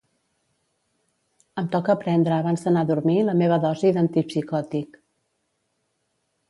Em toca prendre abans d'anar a dormir la meva dosi d'antipsicòtic.